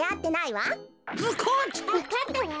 わかったわ。